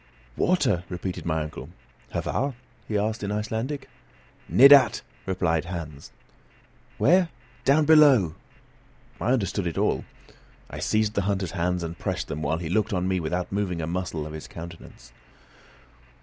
"Water!" repeated my uncle. "Hvar?" he asked, in Icelandic. "Nedat," replied Hans. "Where? Down below!" I understood it all. I seized the hunter's hands, and pressed them while he looked on me without moving a muscle of his countenance.